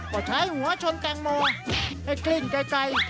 ก็ใช้หัวชนแตงโมให้กลิ้งไกล